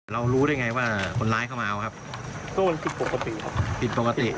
รู้ได้ไงว่าคนร้ายเข้ามาเอาครับก็มันผิดปกติครับผิดปกติ